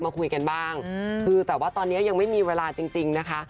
มาคุยกันบ้างคือแต่ว่าตอนนี้ยังไม่มีเวลาจริงนะคะ